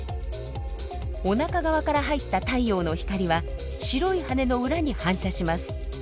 おなか側から入った太陽の光は白い羽の裏に反射します。